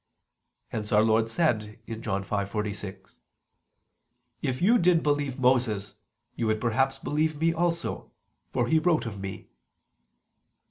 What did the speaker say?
Hence Our Lord said (John 5:46): "If you did believe Moses, you would perhaps believe me also; for he wrote of Me."